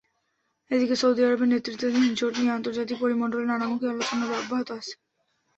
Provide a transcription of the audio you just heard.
এদিকে, সৌদি আরবের নেতৃত্বাধীন জোট নিয়ে আন্তর্জাতিক পরিমণ্ডলে নানামুখী আলোচনা অব্যাহত আছে।